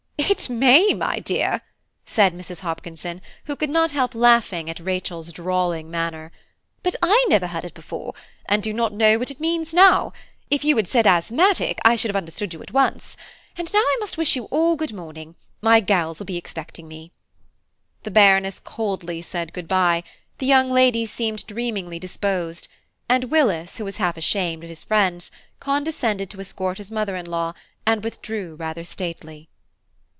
"It may, my dear," said Mrs. Hopkinson, who could not help laughing at Rachel's drawling manner; "but I never heard it before, and do not know what it means now. If you had said asthmatic, I should have understood you at once; and now I must wish you all good morning; my girls will be expecting me." The Baroness coldly said good bye: the young lady seemed dreamingly disposed, and Willis, who was half ashamed of his friends, condescended to escort his mother in law, and withdrew rather statelily.